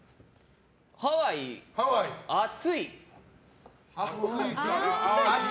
ハワイ、暑い。